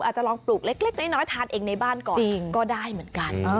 อาจจะลองปลูกเล็กน้อยทานเองในบ้านก่อนก็ได้เหมือนกัน